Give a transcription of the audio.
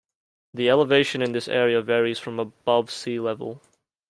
The elevation in this area varies from above sea level.